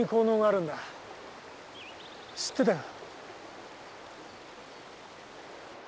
知ってたか？